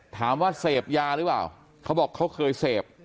ถามว่าเสพยาหรือเปล่าเขาบอกเขาเคยเสพ